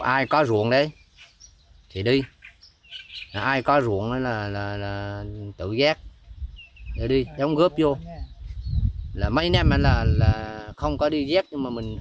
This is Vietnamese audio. cách đầu nguồn hơn hai km